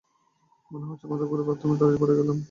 মনে হচ্ছে মাথা ঘুরে বাথরুমের দরজায় পড়ে যাবেন।